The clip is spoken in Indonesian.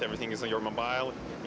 semuanya ada di mobil anda